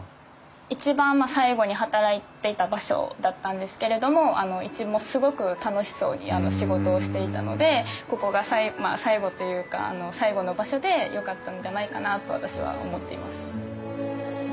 一番最後に働いていた場所だったんですけれどもいつもすごく楽しそうに仕事をしていたのでここが最後というか最後の場所でよかったんじゃないかなと私は思っています。